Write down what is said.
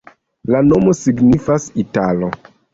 La nomo signifas: italo.